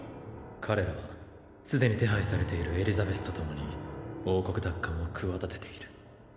彼らはすでに手配されているエリザベスと共に王国奪還を企てている。